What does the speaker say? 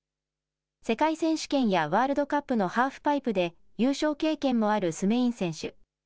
世界選手権やワールドカップのハーフパイプで優勝経験もあるスメイン選手。